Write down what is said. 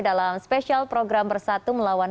dalam spesial program bersatu melawan